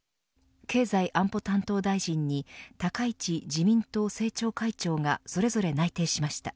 経済安保担当大臣に高市自民党政調会長がそれぞれ内定しました。